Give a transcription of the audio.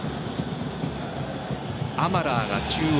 アマラーが中央。